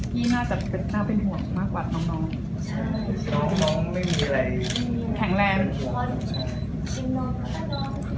พี่น่าจะเป็นห่วงมากกว่าน้องรู้พี่น้องไม่มีไร